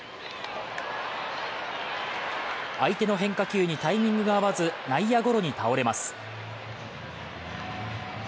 相手の変化球にタイミングが合わず内野ゴロに倒れます。